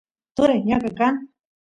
turay ñeqe kan